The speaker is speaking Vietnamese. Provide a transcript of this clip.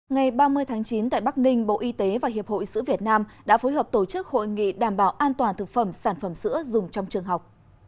ngày ba mươi tháng chín tại bắc ninh bộ y tế và hiệp hội sữa việt nam đã phối hợp tổ chức hội nghị đảm bảo an toàn thực phẩm sản phẩm sữa dùng trong trường học